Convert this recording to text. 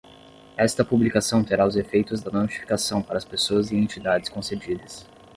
Esta publicação terá os efeitos da notificação para as pessoas e entidades concedidas.